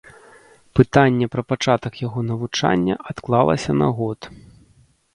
Пытанне пра пачатак яго навучання адклалася на год.